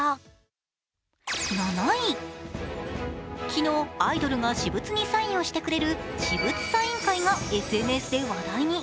昨日アイドルが私物にサインをしてくれる私物サイン会がＳＮＳで話題に。